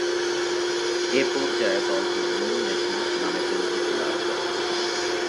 এ পর্যায়ে দলটি Mean Machine নামে পরিচিতি লাভ করে।